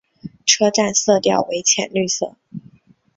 车站色调为浅绿色。